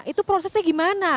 itu prosesnya gimana